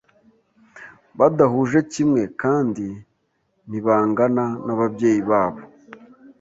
badahuje kimwe kandi ntibangana nababyeyi babo